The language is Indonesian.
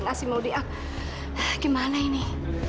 kok nggak diangkat angkat sih